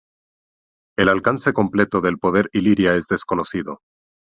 El alcance completo del poder Illyria es desconocido.